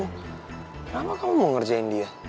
kenapa kamu mau ngerjain dia